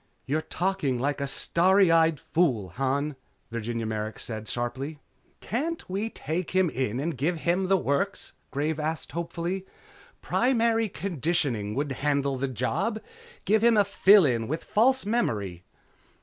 "You're talking like a starry eyed fool, Han," Virginia Merrick said sharply. "Can't we take him in and give him the works?" Graves asked hopefully. "Primary Conditioning could handle the job. Give him a fill in with false memory?"